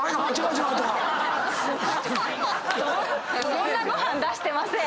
そんなご飯出してません。